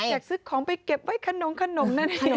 อยากซื้อของไปเก็บไว้ขนมนั่นเอง